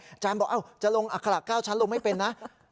อาจารย์บอกจะลงอัคละ๙ชั้นลงไม่เป็นนะ